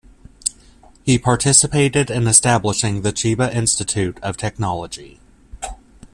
He participated in establishing the Chiba Institute of Technology.